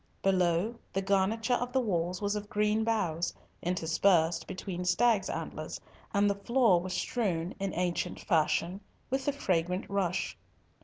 Below, the garniture of the walls was of green boughs, interspersed between stag's antlers, and the floor was strewn, in ancient fashion, with the fragrant rush.